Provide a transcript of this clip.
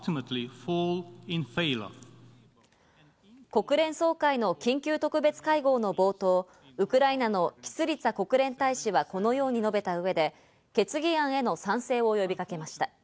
国連総会の緊急特別会合の冒頭、ウクライナのキスリツァ国連大使はこのように述べた上で、決議案への賛成を呼びかけました。